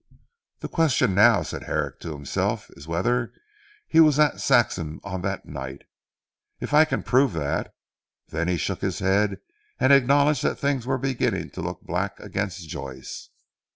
"The question now," said Herrick to himself, "is whether he was at Saxham on that night. If I can prove that " he shook his head, and acknowledged that things were beginning to look black against Joyce.